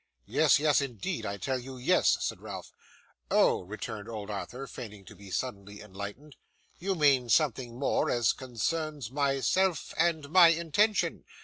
'Yes, yes, indeed. I tell you yes,' said Ralph. 'Oh!' returned old Arthur feigning to be suddenly enlightened. 'You mean something more, as concerns myself and my intention.